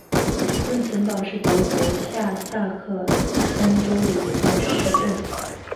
温岑堡是德国下萨克森州的一个市镇。